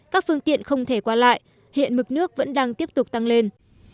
các phương tiện không thể qua lại hiện mực nước vẫn đang tiếp tục tăng lên